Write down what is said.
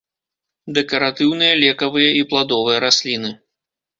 Дэкаратыўныя, лекавыя і пладовыя расліны.